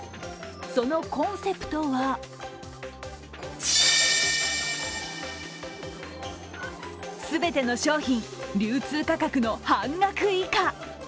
そのコンセプトは全ての商品流通価格の半額以下！